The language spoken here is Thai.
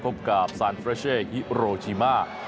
พบกับซานเฟรเช่ฮิโรชิมา